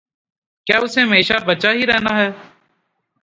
کیا اسے ہمیشہ بچہ ہی رہنا ہے؟